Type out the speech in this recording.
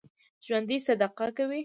ژوندي صدقه کوي